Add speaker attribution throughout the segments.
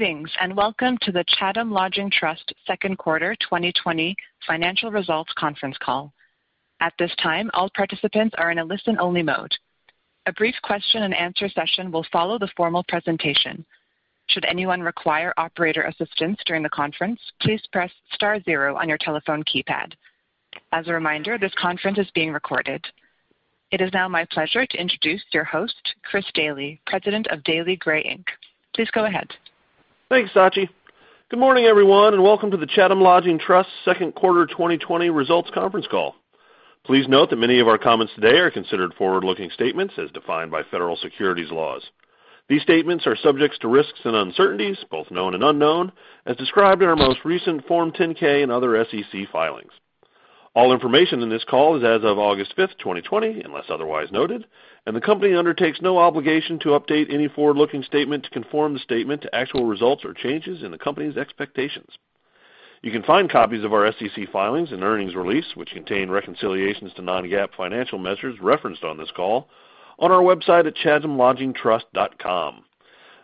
Speaker 1: Greetings and welcome to the Chatham Lodging Trust Second Quarter 2020 Financial Results Conference Call. At this time, all participants are in a listen-only mode. A brief question-and-answer session will follow the formal presentation. Should anyone require operator assistance during the conference, please press star zero on your telephone keypad. As a reminder, this conference is being recorded. It is now my pleasure to introduce your host, Chris Daly, President of Daly Gray Inc. Please go ahead.
Speaker 2: Thanks, Sachi. Good morning, everyone, and welcome to the Chatham Lodging Trust Second Quarter 2020 Results Conference Call. Please note that many of our comments today are considered forward-looking statements as defined by federal securities laws. These statements are subject to risks and uncertainties, both known and unknown, as described in our most recent Form 10-K and other SEC filings. All information in this call is as of August 5, 2020, unless otherwise noted, and the company undertakes no obligation to update any forward-looking statement to conform the statement to actual results or changes in the company's expectations. You can find copies of our SEC filings and earnings release, which contain reconciliations to non-GAAP financial measures referenced on this call, on our website at chathamlodgingtrust.com.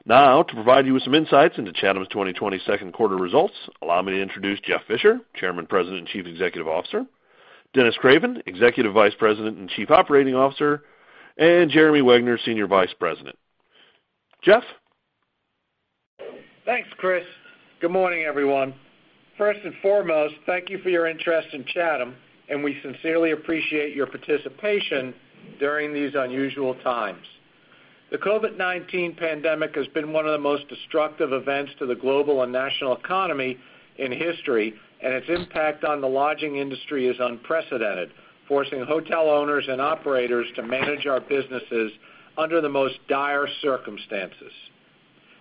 Speaker 2: Now, to provide you with some insights into Chatham's 2020 second quarter results, allow me to introduce Jeff Fisher, Chairman, President, and Chief Executive Officer, Dennis Craven, Executive Vice President and Chief Operating Officer, and Jeremy Wegner, Senior Vice President. Jeff?
Speaker 3: Thanks, Chris. Good morning, everyone. First and foremost, thank you for your interest in Chatham, and we sincerely appreciate your participation during these unusual times. The COVID-19 pandemic has been one of the most destructive events to the global and national economy in history, and its impact on the lodging industry is unprecedented, forcing hotel owners and operators to manage our businesses under the most dire circumstances.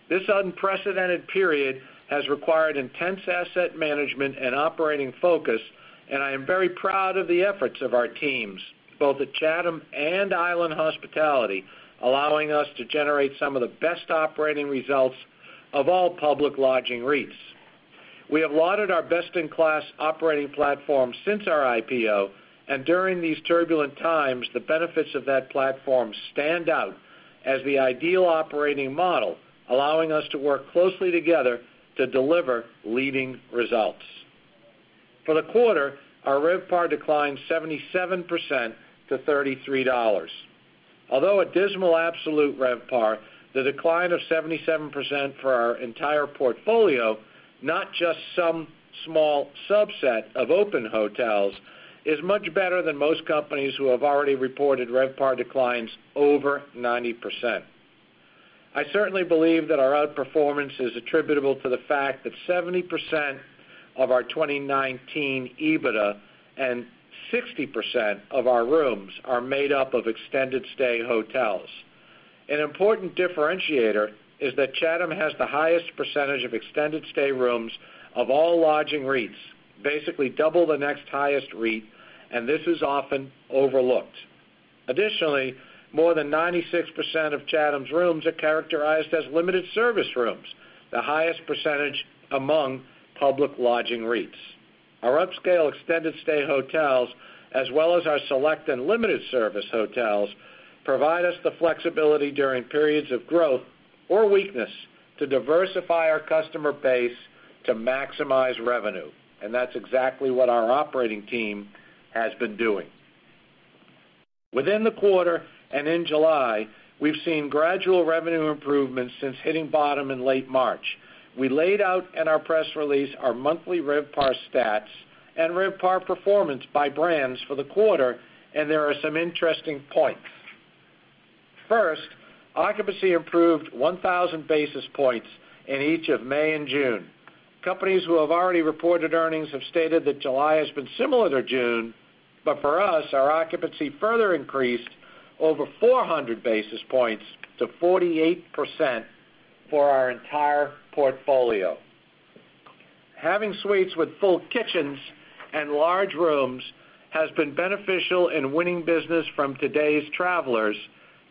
Speaker 3: This unprecedented period has required intense asset management and operating focus, and I am very proud of the efforts of our teams, both at Chatham and Island Hospitality, allowing us to generate some of the best operating results of all public lodging REITs. We have lauded our best-in-class operating platform since our IPO, and during these turbulent times, the benefits of that platform stand out as the ideal operating model, allowing us to work closely together to deliver leading results. For the quarter, our RevPAR declined 77% to $33. Although a dismal absolute RevPAR, the decline of 77% for our entire portfolio, not just some small subset of open hotels, is much better than most companies who have already reported RevPAR declines over 90%. I certainly believe that our outperformance is attributable to the fact that 70% of our 2019 EBITDA and 60% of our rooms are made up of extended-stay hotels. An important differentiator is that Chatham has the highest percentage of extended-stay rooms of all lodging REITs, basically double the next highest REIT, and this is often overlooked. Additionally, more than 96% of Chatham's rooms are characterized as limited service rooms, the highest percentage among public lodging REITs. Our upscale extended-stay hotels, as well as our select and limited service hotels, provide us the flexibility during periods of growth or weakness to diversify our customer base to maximize revenue, and that's exactly what our operating team has been doing. Within the quarter and in July, we've seen gradual revenue improvements since hitting bottom in late March. We laid out in our press release our monthly RevPAR stats and RevPAR performance by brands for the quarter, and there are some interesting points. First, occupancy improved 1,000 basis points in each of May and June. Companies who have already reported earnings have stated that July has been similar to June, but for us, our occupancy further increased over 400 basis points to 48% for our entire portfolio. Having suites with full kitchens and large rooms has been beneficial in winning business from today's travelers,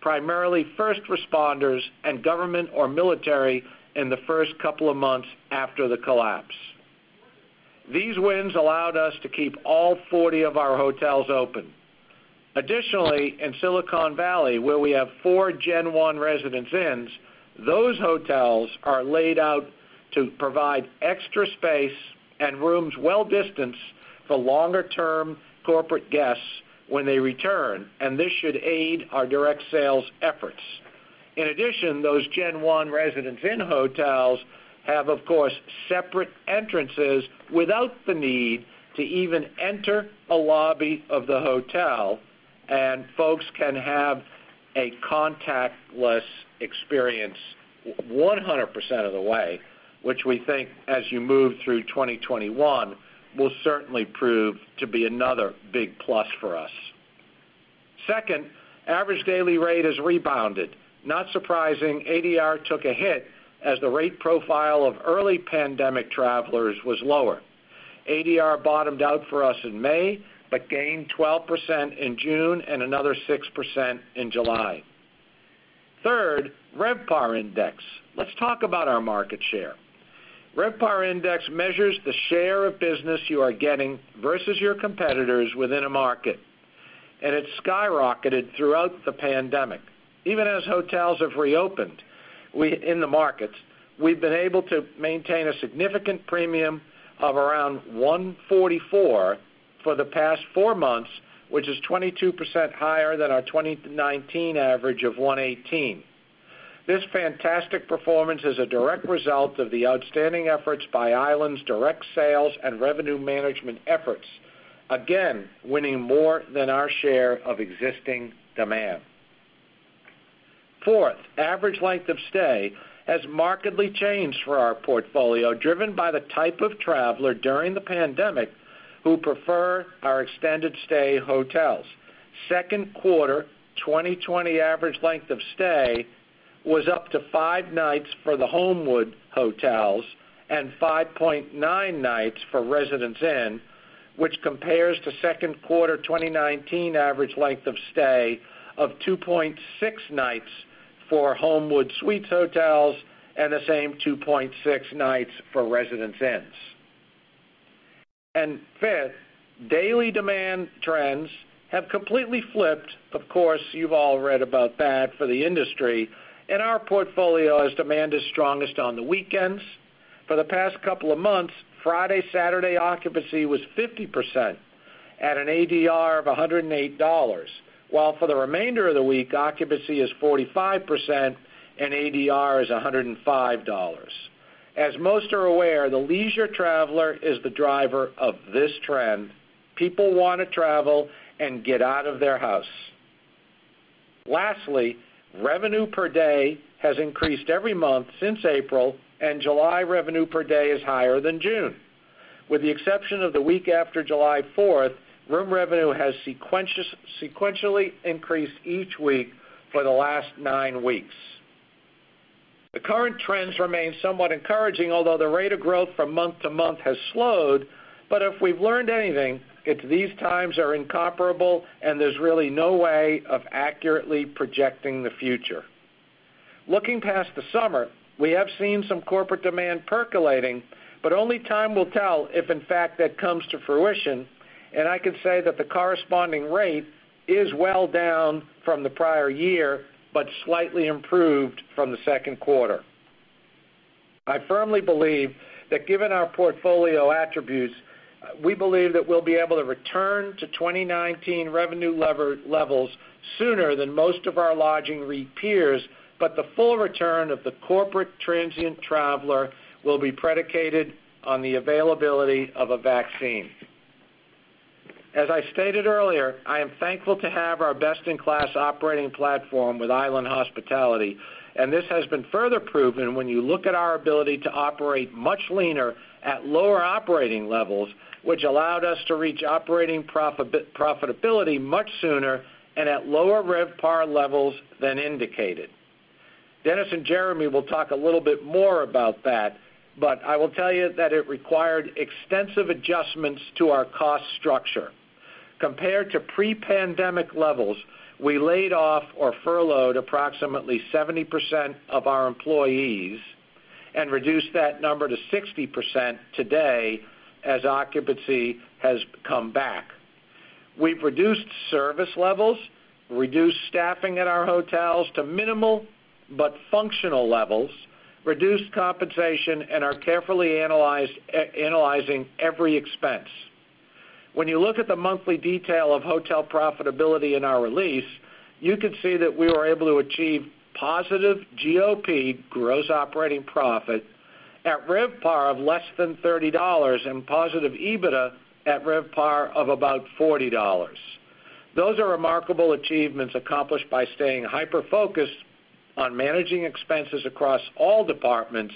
Speaker 3: primarily first responders and government or military in the first couple of months after the collapse. These wins allowed us to keep all 40 of our hotels open. Additionally, in Silicon Valley, where we have four Gen one Residence Inns, those hotels are laid out to provide extra space and rooms well-distanced for longer-term corporate guests when they return, and this should aid our direct sales efforts. In addition, those Gen one Residence Inn hotels have, of course, separate entrances without the need to even enter a lobby of the hotel, and folks can have a contactless experience 100% of the way, which we think, as you move through 2021, will certainly prove to be another big plus for us. Second, average daily rate has rebounded. Not surprising, ADR took a hit as the rate profile of early pandemic travelers was lower. ADR bottomed out for us in May but gained 12% in June and another 6% in July. Third, RevPAR Index. Let's talk about our market share. RevPAR Index measures the share of business you are getting versus your competitors within a market, and it's skyrocketed throughout the pandemic. Even as hotels have reopened in the markets, we've been able to maintain a significant premium of around 144 for the past four months, which is 22% higher than our 2019 average of 118. This fantastic performance is a direct result of the outstanding efforts by Island's direct sales and revenue management efforts, again winning more than our share of existing demand. Fourth, average length of stay has markedly changed for our portfolio, driven by the type of traveler during the pandemic who prefer our extended-stay hotels. Second quarter 2020 average length of stay was up to five nights for the Homewood hotels and 5.9 nights for Residence Inn, which compares to second quarter 2019 average length of stay of 2.6 nights for Homewood Suites hotels and the same 2.6 nights for Residence Inns. Fifth, daily demand trends have completely flipped. Of course, you've all read about that for the industry. In our portfolio, as demand is strongest on the weekends, for the past couple of months, Friday-Saturday occupancy was 50% at an ADR of $108, while for the remainder of the week, occupancy is 45% and ADR is $105. As most are aware, the leisure traveler is the driver of this trend. People want to travel and get out of their house. Lastly, revenue per day has increased every month since April, and July revenue per day is higher than June. With the exception of the week after July 4th, room revenue has sequentially increased each week for the last nine weeks. The current trends remain somewhat encouraging, although the rate of growth from month to month has slowed, but if we've learned anything, it's these times are incomparable, and there's really no way of accurately projecting the future. Looking past the summer, we have seen some corporate demand percolating, but only time will tell if, in fact, that comes to fruition, and I can say that the corresponding rate is well down from the prior year but slightly improved from the second quarter. I firmly believe that, given our portfolio attributes, we believe that we'll be able to return to 2019 revenue levels sooner than most of our lodging REIT peers, but the full return of the corporate transient traveler will be predicated on the availability of a vaccine. As I stated earlier, I am thankful to have our best-in-class operating platform with Island Hospitality, and this has been further proven when you look at our ability to operate much leaner at lower operating levels, which allowed us to reach operating profitability much sooner and at lower RevPAR levels than indicated. Dennis and Jeremy will talk a little bit more about that, but I will tell you that it required extensive adjustments to our cost structure. Compared to pre-pandemic levels, we laid off or furloughed approximately 70% of our employees and reduced that number to 60% today as occupancy has come back. We've reduced service levels, reduced staffing at our hotels to minimal but functional levels, reduced compensation, and are carefully analyzing every expense. When you look at the monthly detail of hotel profitability in our release, you can see that we were able to achieve positive GOP, Gross Operating Profit, at RevPAR of less than $30 and positive EBITDA at RevPAR of about $40. Those are remarkable achievements accomplished by staying hyper-focused on managing expenses across all departments,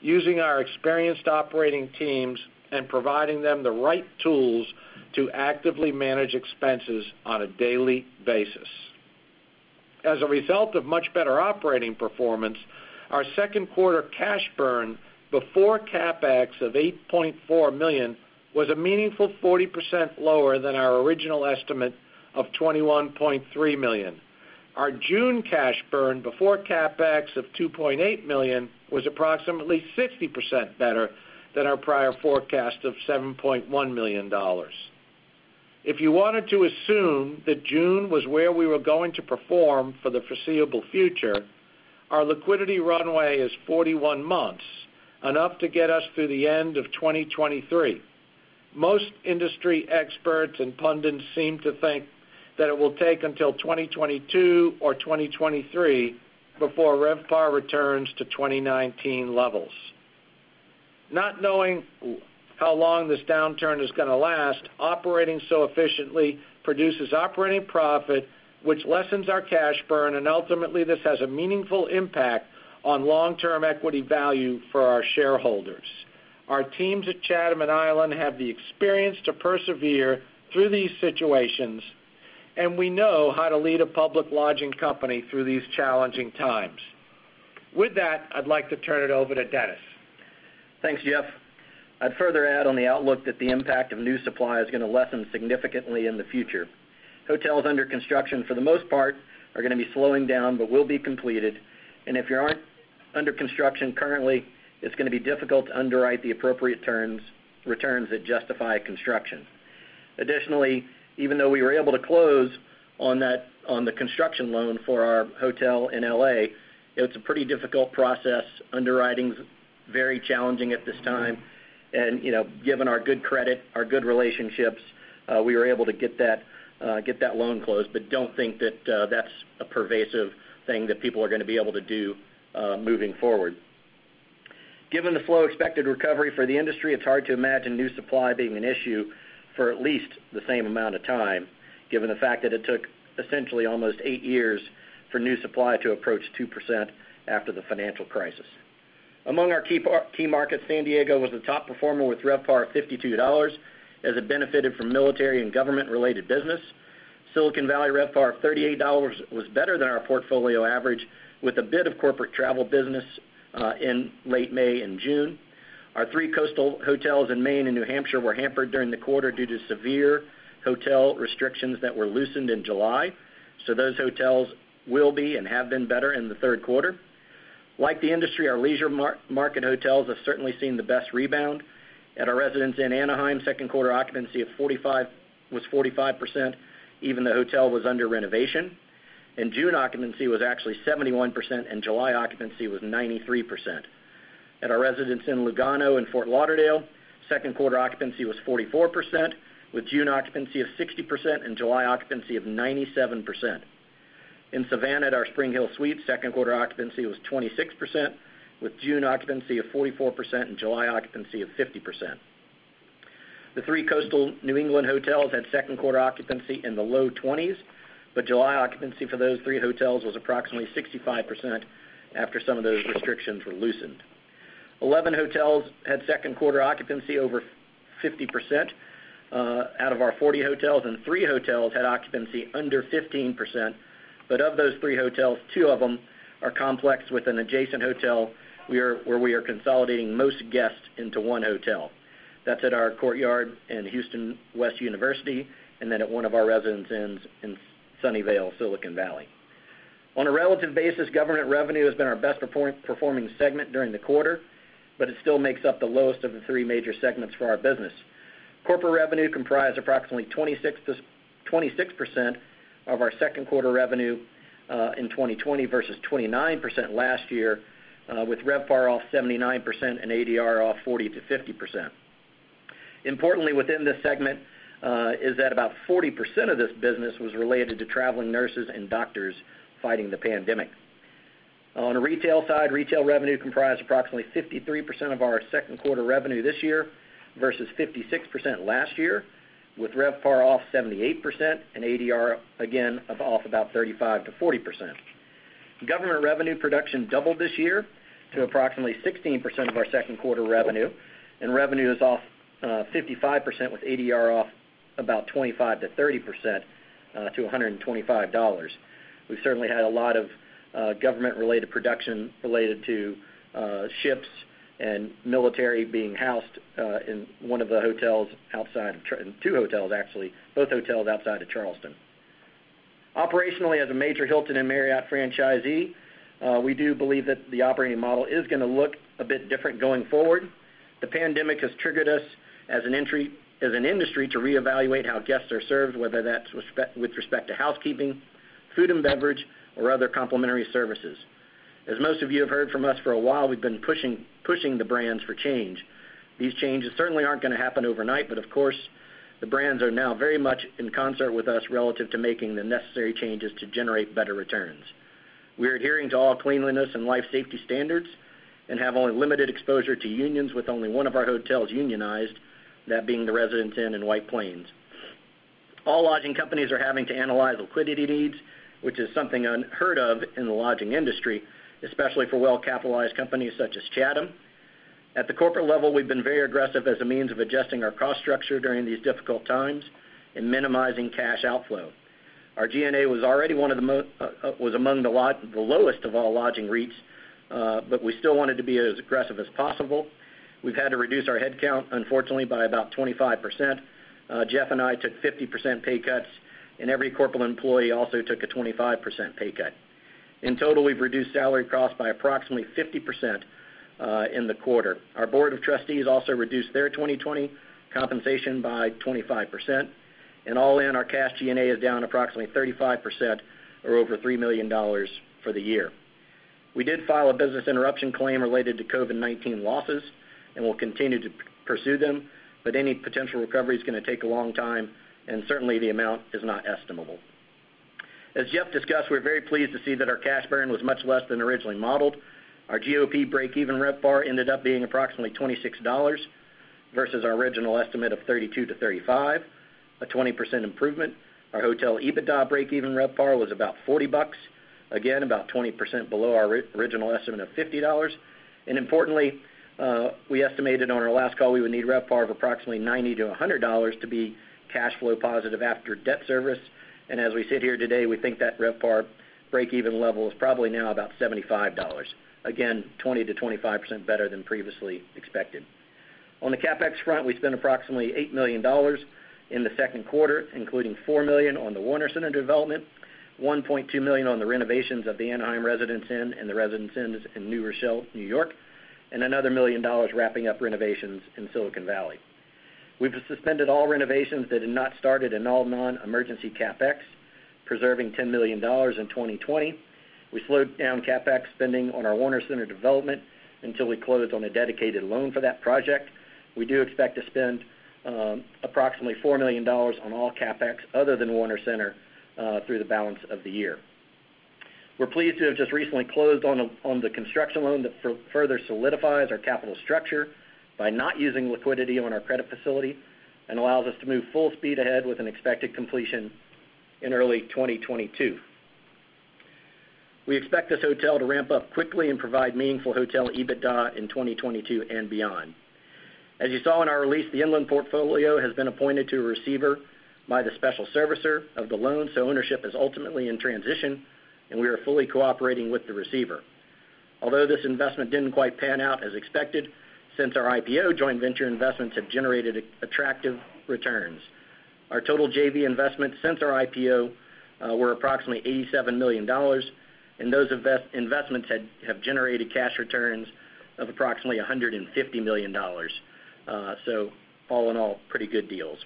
Speaker 3: using our experienced operating teams and providing them the right tools to actively manage expenses on a daily basis. As a result of much better operating performance, our second quarter cash burn before CapEx of $8.4 million was a meaningful 40% lower than our original estimate of $21.3 million. Our June cash burn before CapEx of $2.8 million was approximately 60% better than our prior forecast of $7.1 million. If you wanted to assume that June was where we were going to perform for the foreseeable future, our liquidity runway is 41 months, enough to get us through the end of 2023. Most industry experts and pundits seem to think that it will take until 2022 or 2023 before RevPAR returns to 2019 levels. Not knowing how long this downturn is going to last, operating so efficiently produces operating profit, which lessens our cash burn, and ultimately, this has a meaningful impact on long-term equity value for our shareholders. Our teams at Chatham and Island have the experience to persevere through these situations, and we know how to lead a public lodging company through these challenging times. With that, I'd like to turn it over to Dennis.
Speaker 4: Thanks, Jeff. I'd further add on the outlook that the impact of new supply is going to lessen significantly in the future. Hotels under construction, for the most part, are going to be slowing down but will be completed, and if you aren't under construction currently, it's going to be difficult to underwrite the appropriate returns that justify construction. Additionally, even though we were able to close on the construction loan for our hotel in L.A., it's a pretty difficult process. Underwriting's very challenging at this time, and given our good credit, our good relationships, we were able to get that loan closed, but don't think that that's a pervasive thing that people are going to be able to do moving forward. Given the slow expected recovery for the industry, it's hard to imagine new supply being an issue for at least the same amount of time, given the fact that it took essentially almost eight years for new supply to approach 2% after the financial crisis. Among our key markets, San Diego was the top performer with RevPAR of $52, as it benefited from military and government-related business. Silicon Valley RevPAR of $38 was better than our portfolio average with a bit of corporate travel business in late May and June. Our three coastal hotels in Maine and New Hampshire were hampered during the quarter due to severe hotel restrictions that were loosened in July, so those hotels will be and have been better in the third quarter. Like the industry, our leisure market hotels have certainly seen the best rebound. At our Residence Inn in Anaheim, second quarter occupancy was 45% even though the hotel was under renovation. In June, occupancy was actually 71%, and July occupancy was 93%. At our Residence Inn in Lugano and Fort Lauderdale, second quarter occupancy was 44%, with June occupancy of 60% and July occupancy of 97%. In Savannah, at our SpringHill Suites, second quarter occupancy was 26%, with June occupancy of 44% and July occupancy of 50%. The three coastal New England hotels had second quarter occupancy in the low 20s, but July occupancy for those three hotels was approximately 65% after some of those restrictions were loosened. Eleven hotels had second quarter occupancy over 50% out of our 40 hotels, and three hotels had occupancy under 15%, but of those three hotels, two of them are complex with an adjacent hotel where we are consolidating most guests into one hotel. That's at our Courtyard in Houston West University and then at one of our Residence Inns in Sunnyvale, Silicon Valley. On a relative basis, government revenue has been our best-performing segment during the quarter, but it still makes up the lowest of the three major segments for our business. Corporate revenue comprised approximately 26% of our second quarter revenue in 2020 versus 29% last year, with RevPAR off 79% and ADR off 40-50%. Importantly, within this segment, is that about 40% of this business was related to traveling nurses and doctors fighting the pandemic. On the retail side, retail revenue comprised approximately 53% of our second quarter revenue this year versus 56% last year, with RevPAR off 78% and ADR, again, off about 35-40%. Government revenue production doubled this year to approximately 16% of our second quarter revenue, and revenue is off 55% with ADR off about 25-30% to $125. We've certainly had a lot of government-related production related to ships and military being housed in one of the hotels outside of two hotels, actually, both hotels outside of Charleston. Operationally, as a major Hilton and Marriott franchisee, we do believe that the operating model is going to look a bit different going forward. The pandemic has triggered us as an industry to reevaluate how guests are served, whether that's with respect to housekeeping, food and beverage, or other complementary services. As most of you have heard from us for a while, we've been pushing the brands for change. These changes certainly aren't going to happen overnight, but of course, the brands are now very much in concert with us relative to making the necessary changes to generate better returns. We are adhering to all cleanliness and life safety standards and have only limited exposure to unions with only one of our hotels unionized, that being the Residence Inn in White Plains. All lodging companies are having to analyze liquidity needs, which is something unheard of in the lodging industry, especially for well-capitalized companies such as Chatham. At the corporate level, we've been very aggressive as a means of adjusting our cost structure during these difficult times and minimizing cash outflow. Our G&A was already among the lowest of all lodging REITs, but we still wanted to be as aggressive as possible. We've had to reduce our headcount, unfortunately, by about 25%. Jeff and I took 50% pay cuts, and every corporate employee also took a 25% pay cut. In total, we've reduced salary costs by approximately 50% in the quarter. Our board of trustees also reduced their 2020 compensation by 25%, and all in, our cash G&A is down approximately 35% or over $3 million for the year. We did file a business interruption claim related to COVID-19 losses and will continue to pursue them, but any potential recovery is going to take a long time, and certainly, the amount is not estimable. As Jeff discussed, we're very pleased to see that our cash burn was much less than originally modeled. Our GOP break-even RevPAR ended up being approximately $26 versus our original estimate of $32-$35, a 20% improvement. Our hotel EBITDA break-even RevPAR was about $40, again, about 20% below our original estimate of $50. Importantly, we estimated on our last call we would need RevPAR of approximately $90-$100 to be cash flow positive after debt service, and as we sit here today, we think that RevPAR break-even level is probably now about $75, again, 20%-25% better than previously expected. On the CapEx front, we spent approximately $8 million in the second quarter, including $4 million on the Warner Center development, $1.2 million on the renovations of the Anaheim Residence Inn and the Residence Inn in New Rochelle, New York, and another $1 million wrapping up renovations in Silicon Valley. We have suspended all renovations that had not started and all non-emergency CapEx, preserving $10 million in 2020. We slowed down CapEx spending on our Warner Center development until we closed on a dedicated loan for that project. We do expect to spend approximately $4 million on all CapEx other than Warner Center through the balance of the year. We're pleased to have just recently closed on the construction loan that further solidifies our capital structure by not using liquidity on our credit facility and allows us to move full speed ahead with an expected completion in early 2022. We expect this hotel to ramp up quickly and provide meaningful hotel EBITDA in 2022 and beyond. As you saw in our release, the Inland portfolio has been appointed to a receiver by the special servicer of the loan, so ownership is ultimately in transition, and we are fully cooperating with the receiver. Although this investment didn't quite pan out as expected, since our IPO, joint venture investments have generated attractive returns. Our total JV investments since our IPO were approximately $87 million, and those investments have generated cash returns of approximately $150 million. All in all, pretty good deals.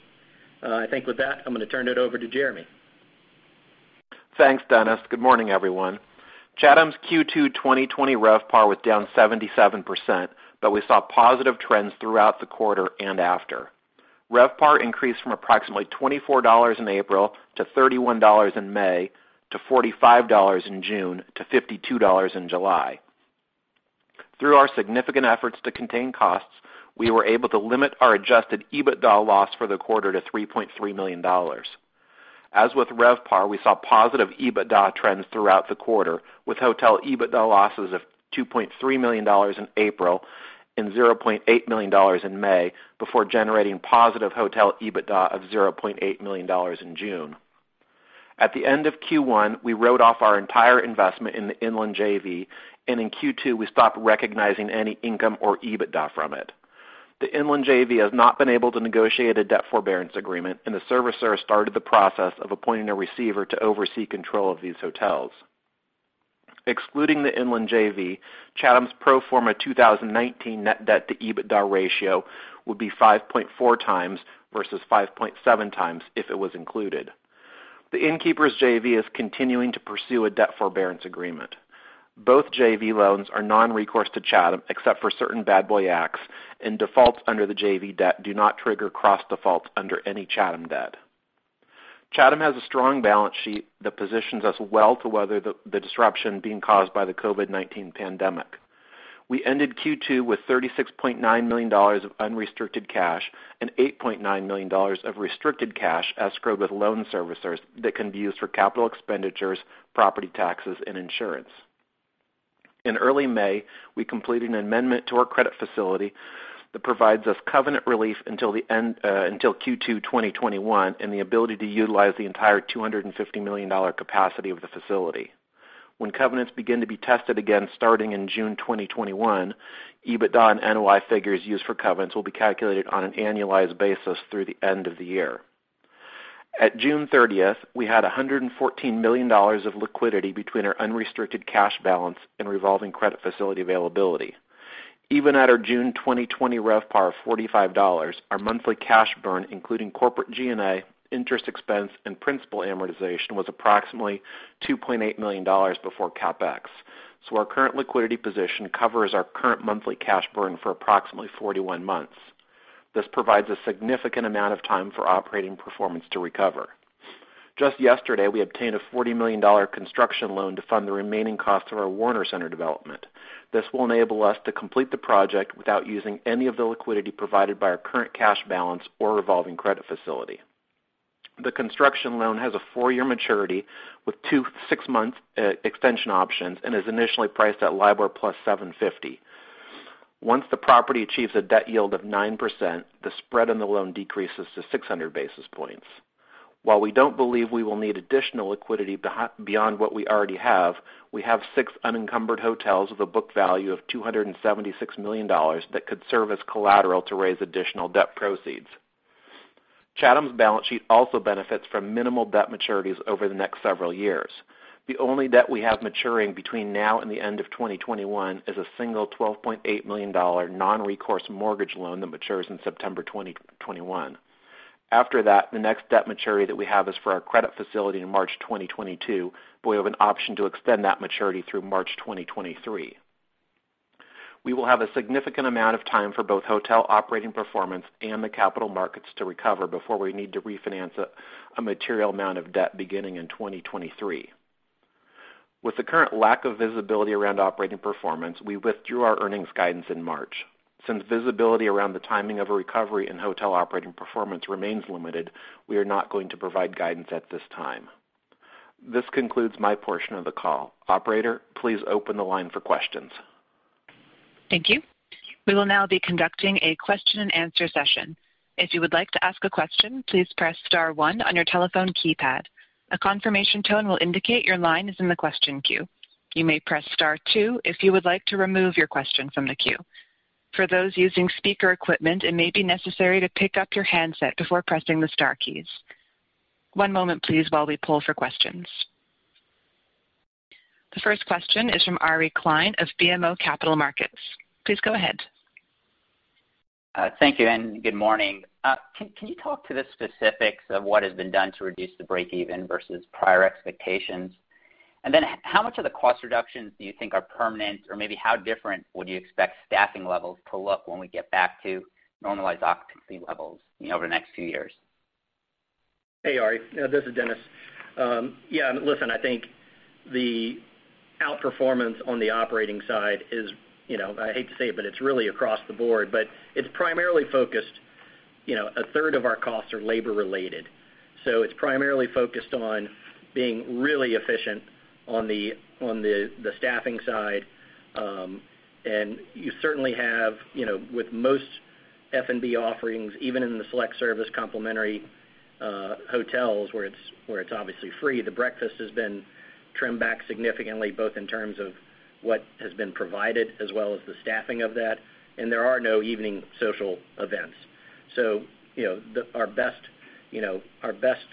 Speaker 4: I think with that, I'm going to turn it over to Jeremy.
Speaker 5: Thanks, Dennis. Good morning, everyone. Chatham's Q2 2020 RevPAR was down 77%, but we saw positive trends throughout the quarter and after. RevPAR increased from approximately $24 in April to $31 in May to $45 in June to $52 in July. Through our significant efforts to contain costs, we were able to limit our adjusted EBITDA loss for the quarter to $3.3 million. As with RevPAR, we saw positive EBITDA trends throughout the quarter, with hotel EBITDA losses of $2.3 million in April and $0.8 million in May before generating positive hotel EBITDA of $0.8 million in June. At the end of Q1, we wrote off our entire investment in the Inland JV, and in Q2, we stopped recognizing any income or EBITDA from it. The Inland JV has not been able to negotiate a debt forbearance agreement, and the servicer started the process of appointing a receiver to oversee control of these hotels. Excluding the Inland JV, Chatham's pro forma 2019 net debt to EBITDA ratio would be 5.4 times versus 5.7 times if it was included. The Innkeeper's JV is continuing to pursue a debt forbearance agreement. Both JV loans are non-recourse to Chatham except for certain bad boy acts, and defaults under the JV debt do not trigger cross-defaults under any Chatham debt. Chatham has a strong balance sheet that positions us well to weather the disruption being caused by the COVID-19 pandemic. We ended Q2 with $36.9 million of unrestricted cash and $8.9 million of restricted cash escrowed with loan servicers that can be used for capital expenditures, property taxes, and insurance. In early May, we completed an amendment to our credit facility that provides us covenant relief until Q2 2021 and the ability to utilize the entire $250 million capacity of the facility. When covenants begin to be tested again starting in June 2021, EBITDA and NOI figures used for covenants will be calculated on an annualized basis through the end of the year. At June 30, we had $114 million of liquidity between our unrestricted cash balance and revolving credit facility availability. Even at our June 2020 RevPAR of $45, our monthly cash burn, including corporate G&A, interest expense, and principal amortization, was approximately $2.8 million before CapEx, so our current liquidity position covers our current monthly cash burn for approximately 41 months. This provides a significant amount of time for operating performance to recover. Just yesterday, we obtained a $40 million construction loan to fund the remaining costs of our Warner Center development. This will enable us to complete the project without using any of the liquidity provided by our current cash balance or revolving credit facility. The construction loan has a four-year maturity with two six-month extension options and is initially priced at LIBOR plus 750. Once the property achieves a debt yield of 9%, the spread on the loan decreases to 600 basis points. While we do not believe we will need additional liquidity beyond what we already have, we have six unencumbered hotels with a book value of $276 million that could serve as collateral to raise additional debt proceeds. Chatham's balance sheet also benefits from minimal debt maturities over the next several years. The only debt we have maturing between now and the end of 2021 is a single $12.8 million non-recourse mortgage loan that matures in September 2021. After that, the next debt maturity that we have is for our credit facility in March 2022, but we have an option to extend that maturity through March 2023. We will have a significant amount of time for both hotel operating performance and the capital markets to recover before we need to refinance a material amount of debt beginning in 2023. With the current lack of visibility around operating performance, we withdrew our earnings guidance in March. Since visibility around the timing of a recovery in hotel operating performance remains limited, we are not going to provide guidance at this time. This concludes my portion of the call. Operator, please open the line for questions.
Speaker 1: Thank you. We will now be conducting a question-and-answer session. If you would like to ask a question, please press star one on your telephone keypad. A confirmation tone will indicate your line is in the question queue. You may press star two if you would like to remove your question from the queue. For those using speaker equipment, it may be necessary to pick up your handset before pressing the star keys. One moment, please, while we pull for questions. The first question is from Ari Klein of BMO Capital Markets. Please go ahead.
Speaker 6: Thank you, and good morning. Can you talk to the specifics of what has been done to reduce the break-even versus prior expectations? How much of the cost reductions do you think are permanent, or maybe how different would you expect staffing levels to look when we get back to normalized occupancy levels over the next few years?
Speaker 4: Hey, Ari. This is Dennis. Yeah, listen, I think the outperformance on the operating side is, I hate to say it, but it's really across the board, but it's primarily focused. 1/3 of our costs are labor-related. It is primarily focused on being really efficient on the staffing side. You certainly have, with most F&B offerings, even in the select service complementary hotels where it's obviously free, the breakfast has been trimmed back significantly, both in terms of what has been provided as well as the staffing of that, and there are no evening social events. Our best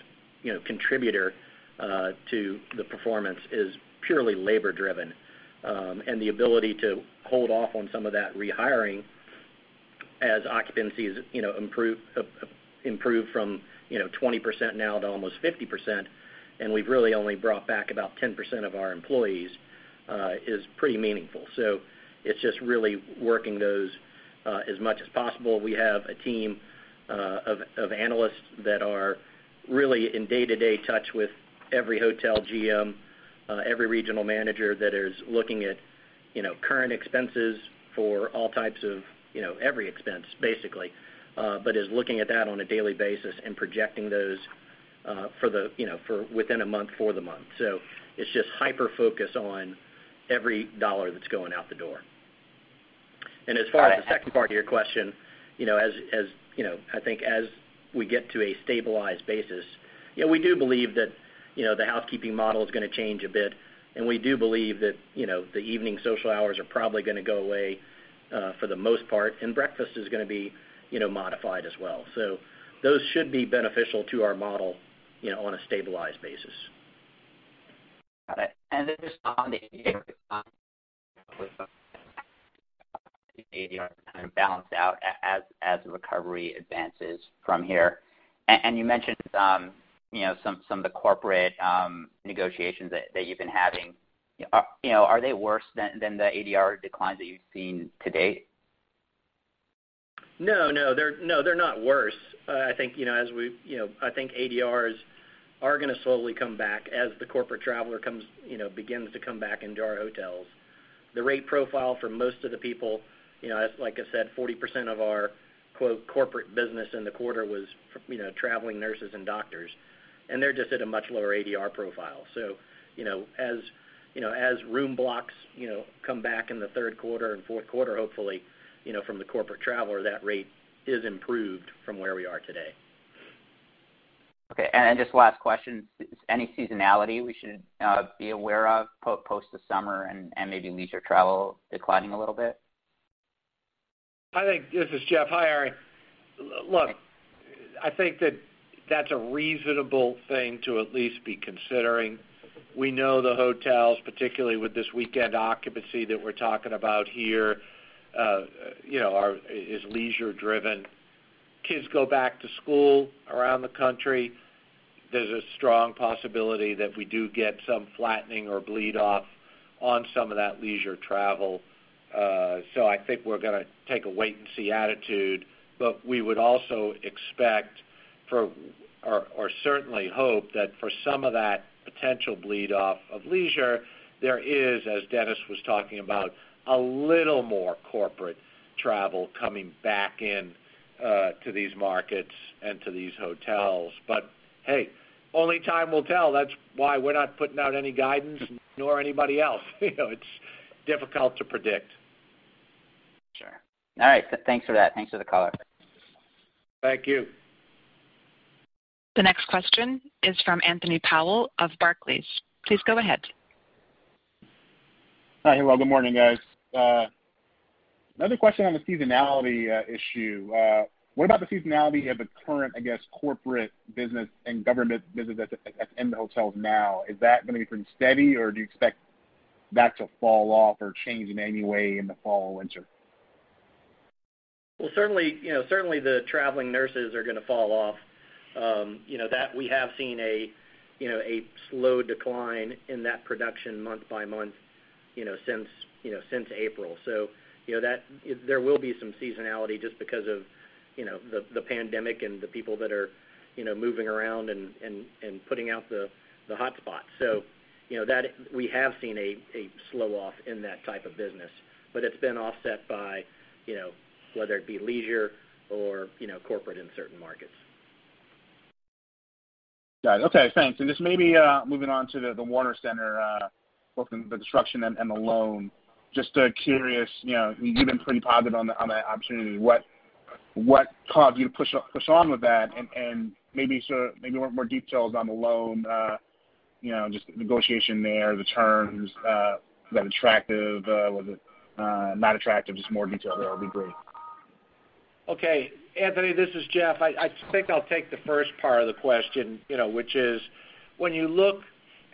Speaker 4: contributor to the performance is purely labor-driven. The ability to hold off on some of that rehiring as occupancies improve from 20% now to almost 50%, and we've really only brought back about 10% of our employees, is pretty meaningful. It is just really working those as much as possible. We have a team of analysts that are really in day-to-day touch with every hotel GM, every regional manager that is looking at current expenses for all types of every expense, basically, but is looking at that on a daily basis and projecting those for within a month for the month. It is just hyper-focused on every dollar that is going out the door. As far as the second part of your question, I think as we get to a stabilized basis, we do believe that the housekeeping model is going to change a bit, and we do believe that the evening social hours are probably going to go away for the most part, and breakfast is going to be modified as well. Those should be beneficial to our model on a stabilized basis.
Speaker 6: Got it. This is on the ADR to kind of balance out as recovery advances from here. You mentioned some of the corporate negotiations that you've been having. Are they worse than the ADR declines that you've seen to date?
Speaker 4: No, no. No, they're not worse. I think as we, I think ADRs are going to slowly come back as the corporate traveler begins to come back into our hotels. The rate profile for most of the people, like I said, 40% of our "corporate business" in the quarter was traveling nurses and doctors, and they're just at a much lower ADR profile. As room blocks come back in the third quarter and fourth quarter, hopefully, from the corporate traveler, that rate is improved from where we are today.
Speaker 6: Okay. Just last question. Any seasonality we should be aware of post the summer and maybe leisure travel declining a little bit?
Speaker 3: I think this is Jeff. Hi, Ari. Look, I think that that's a reasonable thing to at least be considering. We know the hotels, particularly with this weekend occupancy that we're talking about here, are leisure-driven. Kids go back to school around the country. There's a strong possibility that we do get some flattening or bleed-off on some of that leisure travel. I think we're going to take a wait-and-see attitude, but we would also expect for or certainly hope that for some of that potential bleed-off of leisure, there is, as Dennis was talking about, a little more corporate travel coming back into these markets and to these hotels. Hey, only time will tell. That's why we're not putting out any guidance nor anybody else. It's difficult to predict.
Speaker 6: Sure. All right. Thanks for that. Thanks for the call.
Speaker 3: Thank you.
Speaker 1: The next question is from Anthony Powell of Barclays. Please go ahead.
Speaker 7: Hi, hello. Good morning, guys. Another question on the seasonality issue. What about the seasonality of the current, I guess, corporate business and government business that's in the hotels now? Is that going to be pretty steady, or do you expect that to fall off or change in any way in the fall or winter?
Speaker 4: Certainly the traveling nurses are going to fall off. We have seen a slow decline in that production month by month since April. There will be some seasonality just because of the pandemic and the people that are moving around and putting out the hotspots. We have seen a slow-off in that type of business, but it's been offset by whether it be leisure or corporate in certain markets.
Speaker 7: Got it. Okay. Thanks. Just maybe moving on to the Warner Center with the destruction and the loan. Just curious, you've been pretty positive on that opportunity. What caused you to push on with that? Maybe more details on the loan, just the negotiation there, the terms, was that attractive? Was it not attractive? Just more details there would be great.
Speaker 3: Okay. Anthony, this is Jeff. I think I'll take the first part of the question, which is when you look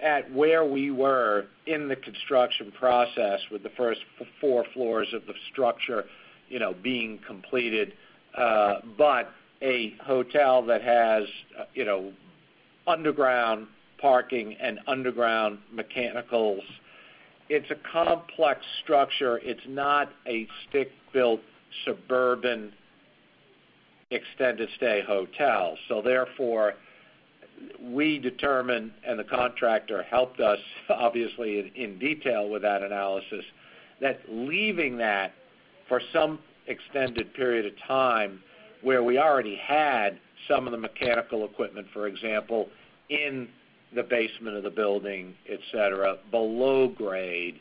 Speaker 3: at where we were in the construction process with the first four floors of the structure being completed, but a hotel that has underground parking and underground mechanicals, it's a complex structure. It's not a stick-built suburban extended-stay hotel. Therefore, we determined, and the contractor helped us, obviously, in detail with that analysis, that leaving that for some extended period of time where we already had some of the mechanical equipment, for example, in the basement of the building, etc., below grade,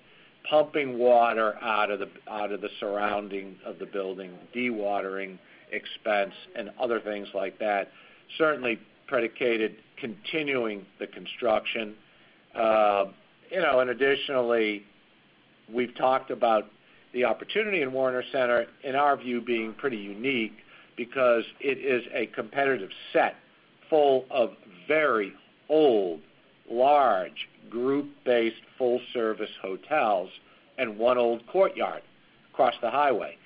Speaker 3: pumping water out of the surroundings of the building, dewatering expense, and other things like that, certainly predicated continuing the construction. Additionally, we've talked about the opportunity in Warner Center, in our view, being pretty unique because it is a competitive set full of very old, large group-based full-service hotels and one old Courtyard across the highway.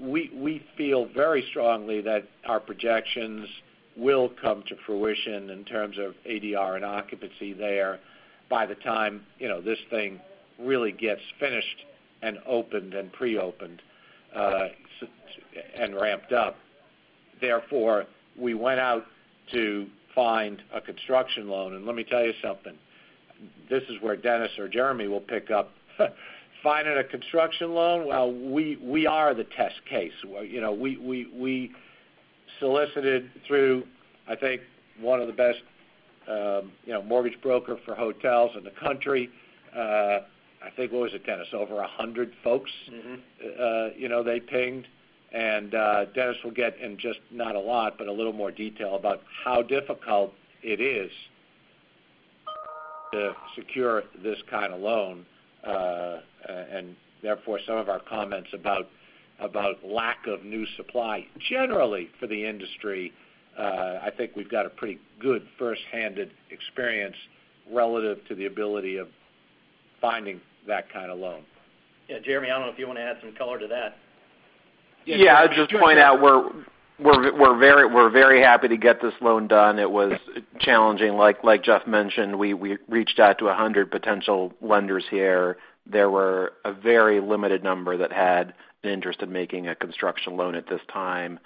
Speaker 3: We feel very strongly that our projections will come to fruition in terms of ADR and occupancy there by the time this thing really gets finished and opened and pre-opened and ramped up. Therefore, we went out to find a construction loan. Let me tell you something. This is where Dennis or Jeremy will pick up. Finding a construction loan? We are the test case. We solicited through, I think, one of the best mortgage brokers for hotels in the country. I think what was it, Dennis? Over 100 folks they pinged. Dennis will get in just not a lot, but a little more detail about how difficult it is to secure this kind of loan. Therefore, some of our comments about lack of new supply generally for the industry, I think we've got a pretty good firsthand experience relative to the ability of finding that kind of loan.
Speaker 4: Yeah. Jeremy, I don't know if you want to add some color to that.
Speaker 5: Yeah. I'll just point out we're very happy to get this loan done. It was challenging. Like Jeff mentioned, we reached out to 100 potential lenders here. There were a very limited number that had an interest in making a construction loan at this time.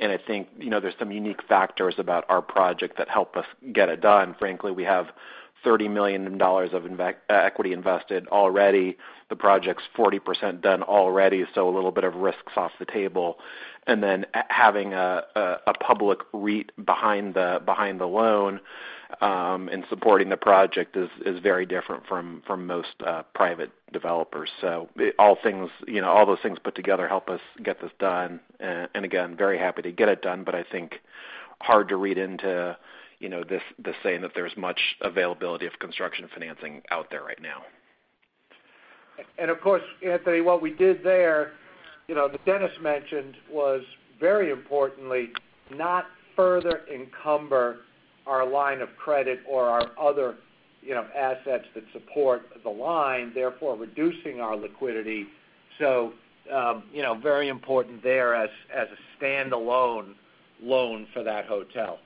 Speaker 5: I think there's some unique factors about our project that help us get it done. Frankly, we have $30 million of equity invested already. The project's 40% done already, so a little bit of risk's off the table. Having a public REIT behind the loan and supporting the project is very different from most private developers. All those things put together help us get this done. Again, very happy to get it done, but I think hard to read into the saying that there's much availability of construction financing out there right now.
Speaker 3: Of course, Anthony, what we did there, that Dennis mentioned, was very importantly not further encumber our line of credit or our other assets that support the line, therefore reducing our liquidity. Very important there as a standalone loan for that hotel.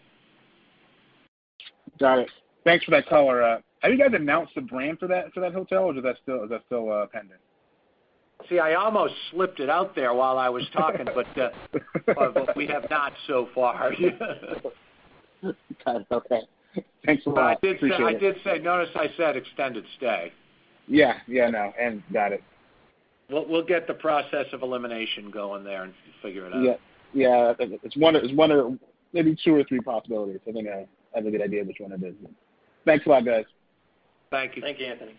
Speaker 7: Got it. Thanks for that color. Have you guys announced the brand for that hotel, or is that still pending?
Speaker 3: See, I almost slipped it out there while I was talking, but we have not so far.
Speaker 7: Got it. Okay. Thanks a lot.
Speaker 3: I did say. I did say, notice I said extended stay.
Speaker 7: Yeah. Yeah, no. Got it.
Speaker 3: We'll get the process of elimination going there and figure it out.
Speaker 7: Yeah. Yeah. It's one of maybe two or three possibilities. I think I have a good idea which one it is. Thanks a lot, guys.
Speaker 3: Thank you.
Speaker 4: Thank you, Anthony.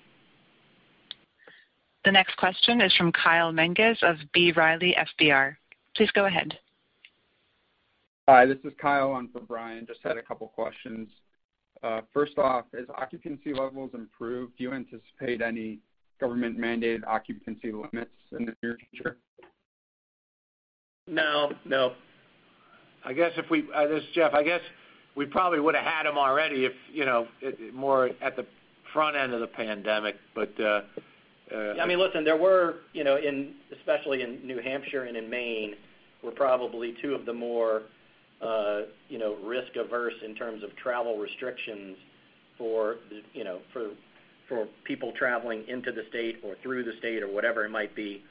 Speaker 1: The next question is from Kyle Menges of B. Riley FBR. Please go ahead.
Speaker 8: Hi. This is Kyle. I'm for Brian. Just had a couple of questions. First off, as occupancy levels improve, do you anticipate any government-mandated occupancy limits in the near future?
Speaker 3: No. No. I guess if we—this is Jeff. I guess we probably would have had them already more at the front end of the pandemic, but.
Speaker 4: Yeah. I mean, listen, there were, especially in New Hampshire and in Maine, were probably two of the more risk-averse in terms of travel restrictions for people traveling into the state or through the state or whatever it might be.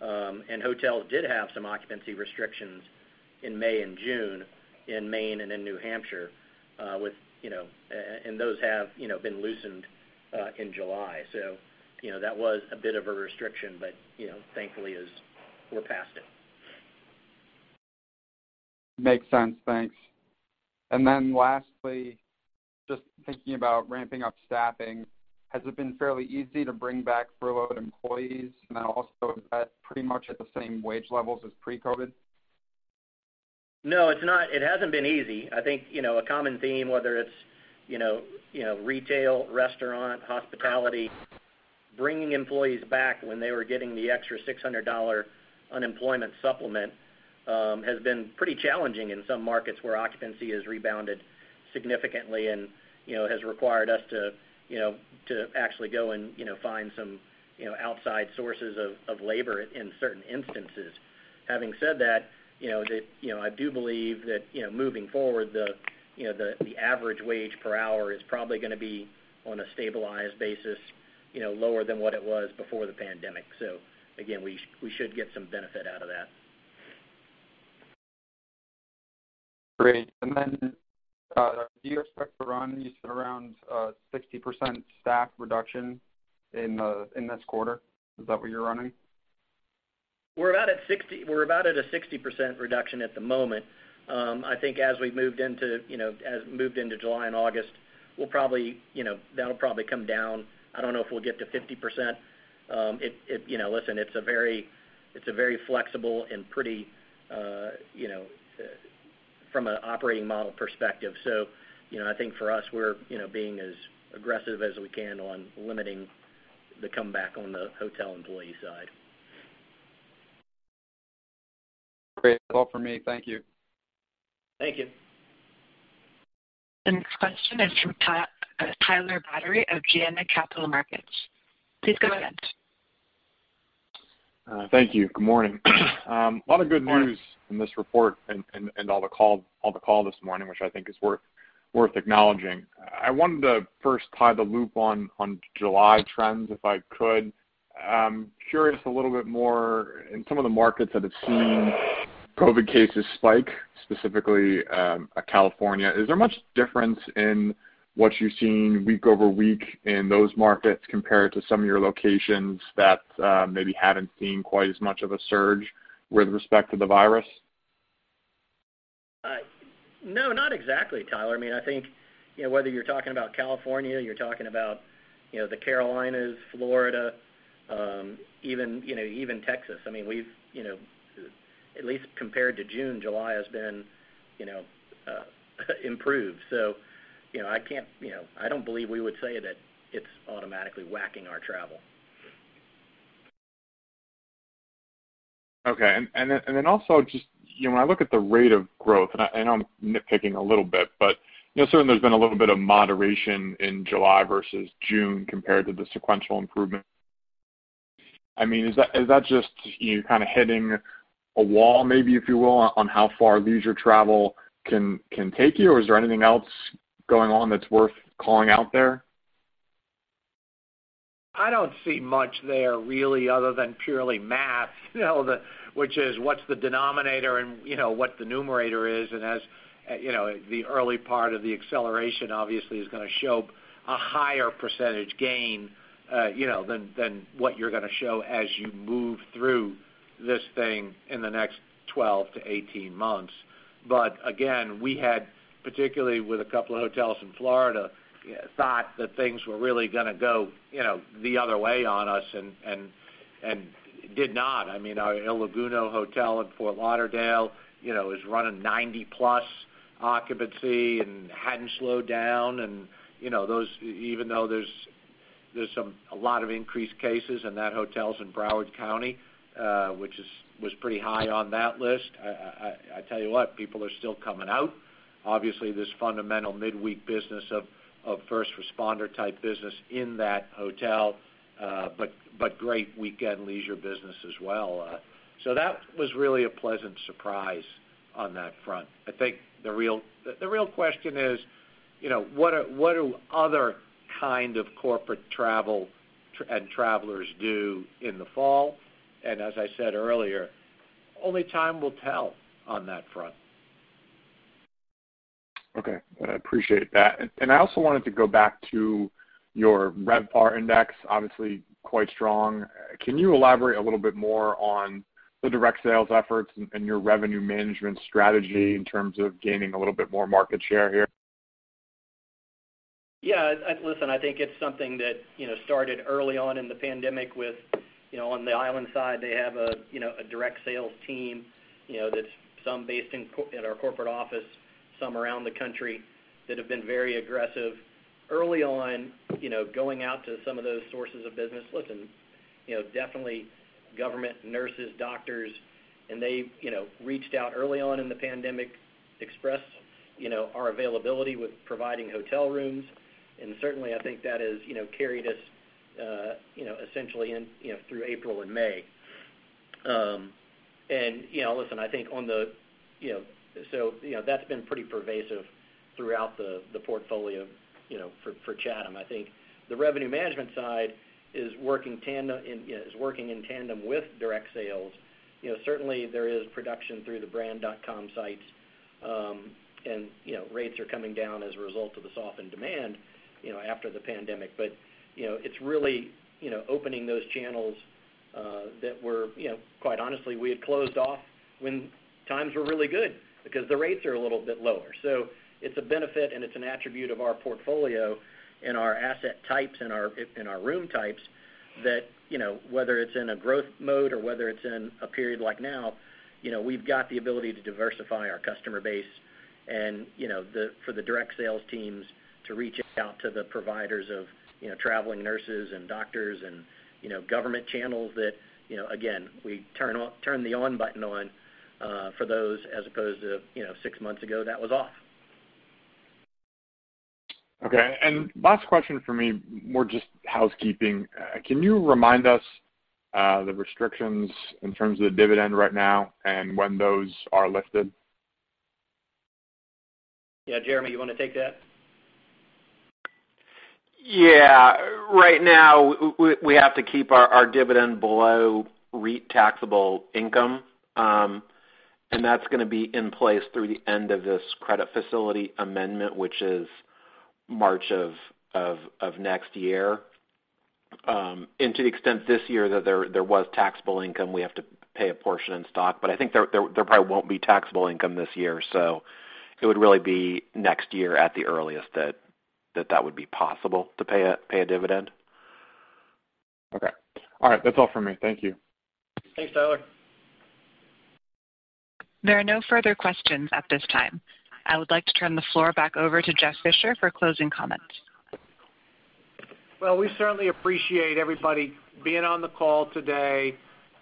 Speaker 4: And hotels did have some occupancy restrictions in May and June in Maine and in New Hampshire, and those have been loosened in July. That was a bit of a restriction, but thankfully, we're past it.
Speaker 8: Makes sense. Thanks. Lastly, just thinking about ramping up staffing, has it been fairly easy to bring back furloughed employees? Also, is that pretty much at the same wage levels as pre-COVID?
Speaker 4: No, it hasn't been easy. I think a common theme, whether it's retail, restaurant, hospitality, bringing employees back when they were getting the extra $600 unemployment supplement has been pretty challenging in some markets where occupancy has rebounded significantly and has required us to actually go and find some outside sources of labor in certain instances. Having said that, I do believe that moving forward, the average wage per hour is probably going to be on a stabilized basis, lower than what it was before the pandemic. We should get some benefit out of that.
Speaker 8: Great. Do you expect to run around 60% staff reduction in this quarter? Is that what you're running?
Speaker 4: We're about at 60. We're about at a 60% reduction at the moment. I think as we've moved into—as we've moved into July and August, that'll probably come down. I don't know if we'll get to 50%. Listen, it's a very flexible and pretty, from an operating model perspective. I think for us, we're being as aggressive as we can on limiting the comeback on the hotel employee side.
Speaker 8: Great. That's all for me. Thank you.
Speaker 4: Thank you.
Speaker 1: The next question is from Tyler Batory of Janney Capital Markets. Please go ahead.
Speaker 9: Thank you. Good morning. A lot of good news in this report and all the call this morning, which I think is worth acknowledging. I wanted to first tie the loop on July trends if I could. Curious a little bit more in some of the markets that have seen COVID-19 cases spike, specifically California. Is there much difference in what you've seen week over week in those markets compared to some of your locations that maybe haven't seen quite as much of a surge with respect to the virus?
Speaker 4: No, not exactly, Tyler. I mean, I think whether you're talking about California, you're talking about the Carolinas, Florida, even Texas. I mean, at least compared to June, July has been improved. I do not believe we would say that it's automatically whacking our travel.
Speaker 9: Okay. Also, just when I look at the rate of growth, and I'm nitpicking a little bit, but certainly there's been a little bit of moderation in July versus June compared to the sequential improvement. I mean, is that just you're kind of hitting a wall maybe, if you will, on how far leisure travel can take you? Is there anything else going on that's worth calling out there?
Speaker 3: I do not see much there really other than purely math, which is what is the denominator and what the numerator is. As the early part of the acceleration, obviously, is going to show a higher % gain than what you are going to show as you move through this thing in the next 12 to 18 months. Again, we had, particularly with a couple of hotels in Florida, thought that things were really going to go the other way on us and did not. I mean, our Il Laguna Hotel in Fort Lauderdale is running 90-plus % occupancy and has not slowed down. Even though there is a lot of increased cases in that hotel in Broward County, which was pretty high on that list, I tell you what, people are still coming out. Obviously, this fundamental midweek business of first responder-type business in that hotel, but great weekend leisure business as well. That was really a pleasant surprise on that front. I think the real question is, what do other kinds of corporate travel and travelers do in the fall? As I said earlier, only time will tell on that front.
Speaker 9: Okay. I appreciate that. I also wanted to go back to your RevPAR Index. Obviously, quite strong. Can you elaborate a little bit more on the direct sales efforts and your revenue management strategy in terms of gaining a little bit more market share here?
Speaker 4: Yeah. Listen, I think it's something that started early on in the pandemic with, on the Island Hospitality side, they have a direct sales team that's some based in our corporate office, some around the country that have been very aggressive early on going out to some of those sources of business. Listen, definitely government, nurses, doctors, and they reached out early on in the pandemic, expressed our availability with providing hotel rooms. Certainly, I think that has carried us essentially through April and May. I think that's been pretty pervasive throughout the portfolio for Chatham. I think the revenue management side is working in tandem with direct sales. Certainly, there is production through the brand.com sites, and rates are coming down as a result of the softened demand after the pandemic. It is really opening those channels that were, quite honestly, we had closed off when times were really good because the rates are a little bit lower. It is a benefit, and it is an attribute of our portfolio and our asset types and our room types that whether it is in a growth mode or whether it is in a period like now, we have got the ability to diversify our customer base and for the direct sales teams to reach out to the providers of traveling nurses and doctors and government channels that, again, we turn the on button on for those as opposed to six months ago, that was off.
Speaker 9: Okay. Last question for me, more just housekeeping. Can you remind us the restrictions in terms of the dividend right now and when those are lifted?
Speaker 4: Yeah. Jeremy, you want to take that?
Speaker 5: Yeah. Right now, we have to keep our dividend below REIT taxable income. That is going to be in place through the end of this credit facility amendment, which is March of next year. To the extent this year that there was taxable income, we have to pay a portion in stock. I think there probably will not be taxable income this year. It would really be next year at the earliest that that would be possible to pay a dividend.
Speaker 9: Okay. All right. That's all for me. Thank you.
Speaker 4: Thanks, Tyler.
Speaker 1: There are no further questions at this time. I would like to turn the floor back over to Jeff Fisher for closing comments.
Speaker 3: We certainly appreciate everybody being on the call today.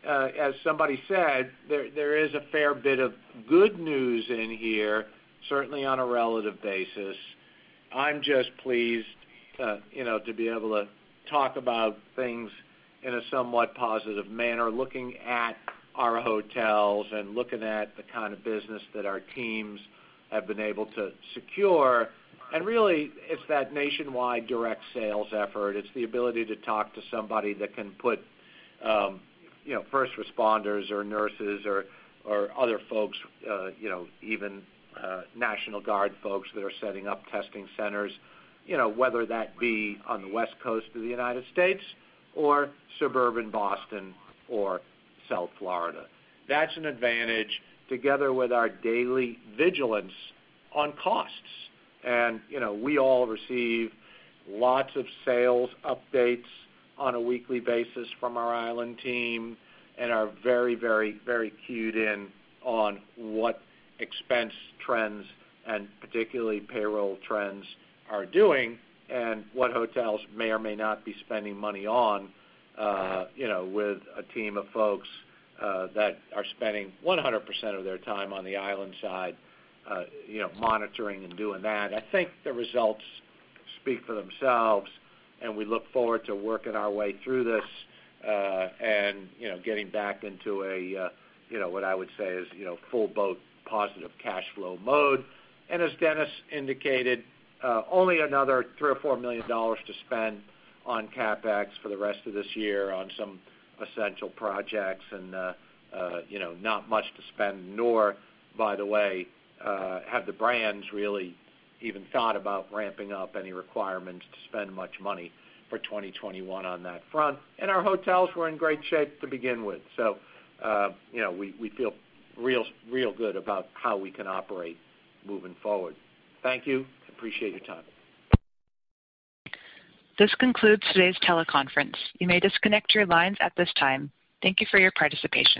Speaker 3: As somebody said, there is a fair bit of good news in here, certainly on a relative basis. I'm just pleased to be able to talk about things in a somewhat positive manner, looking at our hotels and looking at the kind of business that our teams have been able to secure. Really, it's that nationwide direct sales effort. It's the ability to talk to somebody that can put first responders or nurses or other folks, even National Guard folks that are setting up testing centers, whether that be on the West Coast of the United States or suburban Boston or South Florida. That's an advantage together with our daily vigilance on costs. We all receive lots of sales updates on a weekly basis from our Island team and are very, very, very keyed in on what expense trends and particularly payroll trends are doing and what hotels may or may not be spending money on with a team of folks that are spending 100% of their time on the Island side monitoring and doing that. I think the results speak for themselves, and we look forward to working our way through this and getting back into what I would say is full-boat positive cash flow mode. As Dennis indicated, only another $3 million or $4 million to spend on CapEx for the rest of this year on some essential projects and not much to spend, nor, by the way, have the brands really even thought about ramping up any requirements to spend much money for 2021 on that front. Our hotels were in great shape to begin with. We feel real good about how we can operate moving forward. Thank you. Appreciate your time.
Speaker 1: This concludes today's teleconference. You may disconnect your lines at this time. Thank you for your participation.